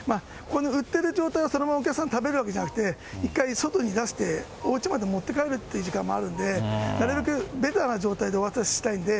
売ってる状態をそのままお客さん、食べるわけじゃなくて、一回外に出して、おうちまで持って帰るという時間もあるので、なるべくべたな状態でお渡ししたいんで、